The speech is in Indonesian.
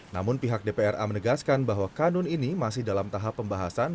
namun pihak dpra menegaskan bahwa kanun ini masih dalam tahap pembahasan